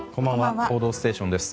「報道ステーション」です。